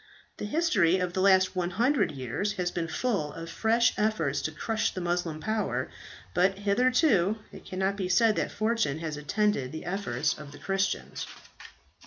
"The history of the last 100 years has been full of fresh efforts to crush the Moslem power, but hitherto it cannot be said that fortune has attended the efforts of the Christians.